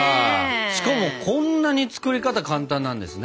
しかもこんなに作り方簡単なんですね。